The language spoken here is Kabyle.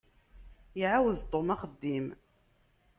Iɛawed Tom axeddim.